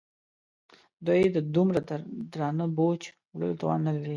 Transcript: دوی د دومره درانه بوج وړلو توان نه لري.